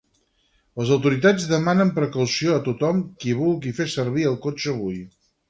Les autoritats demanen precaució a tothom qui vulgui fer servir el cotxe avui.